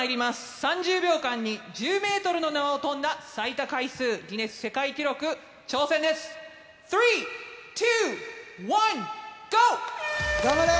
３０秒間に１０メートルの縄を跳んだ最多回数、ギネス世界記録挑戦です。